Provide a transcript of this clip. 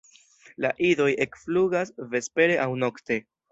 La idoj ekflugas vespere aŭ nokte.